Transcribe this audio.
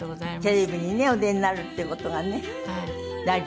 テレビにねお出になるっていう事がね。